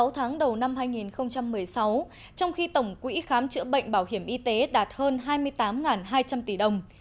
sáu tháng đầu năm hai nghìn một mươi sáu trong khi tổng quỹ khám chữa bệnh bảo hiểm y tế đạt hơn hai mươi tám hai trăm linh tỷ đồng